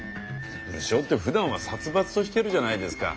武将ってふだんは殺伐としてるじゃないですか。